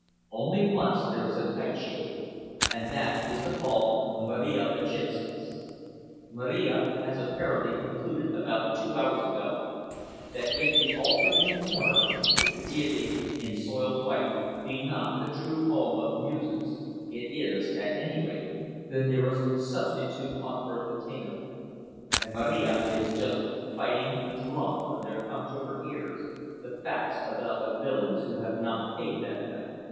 Only once there is a tight shave—and that is the fault of Marija Berczynskas. Marija has apparently concluded about two hours ago that if the altar in the corner, with the deity in soiled white, be not the true home of the muses, it is, at any rate, the nearest substitute on earth attainable. And Marija is just fighting drunk when there come to her ears the facts about the villains who have not paid that night.